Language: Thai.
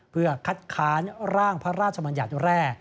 เพื่อคัดค้านร่างพระราชมัญญัติแร่